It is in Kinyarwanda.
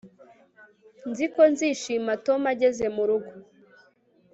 nzi ko nzishima tom ageze murugo